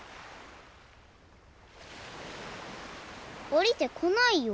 おりてこないよ？